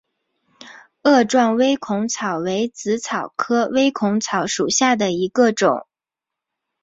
萼状微孔草为紫草科微孔草属下的一个种。